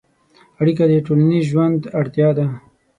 اړیکه د ټولنیز ژوند اړتیا ده.